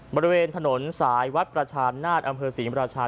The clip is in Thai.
บริเวณถนนสายวัดประชานาศอำเภอศรีมราชา